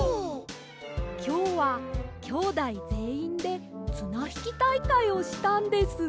きょうはきょうだいぜんいんでつなひきたいかいをしたんです。